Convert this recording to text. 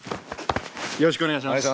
よろしくお願いします。